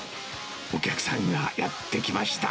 お客さんがやって来ました。